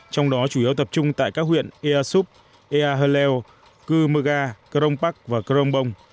trong đó chủ yếu tập trung tại các huyện ea súp ea hơ lèo cư mơ ga cơ rông bắc và cơ rông bông